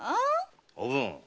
おぶん！